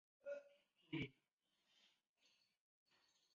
毕业于山东农业大学农学专业。